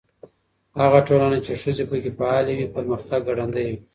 هغه ټولنه چې ښځې پکې فعالې وي، پرمختګ ګړندی وي.